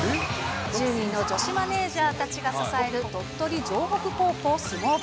１０人の女子マネージャーたちが支える鳥取城北高校相撲部。